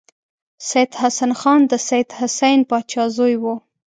سید حسن خان د سید حسین پاچا زوی و.